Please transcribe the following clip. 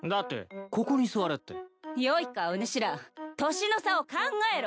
よいかおぬしら年の差を考えろ。